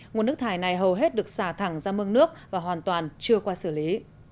nguồn nước thải này hầu hết được xả thẳng ra mương nước và hoàn toàn chưa qua xử lý